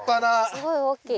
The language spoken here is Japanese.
すごい大きい。